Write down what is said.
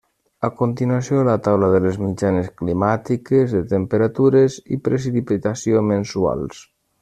A continuació, la taula de les mitjanes climàtiques de temperatures i precipitació mensuals.